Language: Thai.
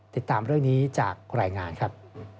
ติดตามเรื่องนี้จากรายงานครับ